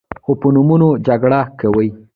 خو په نومونو جګړه کوي.